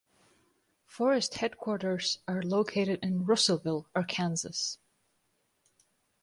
Forest headquarters are located in Russellville, Arkansas.